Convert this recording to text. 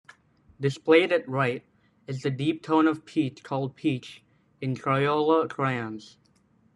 Displayed at right is the deep tone of peach called "peach" in Crayola crayons.